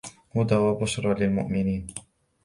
هدى وبشرى للمؤمنين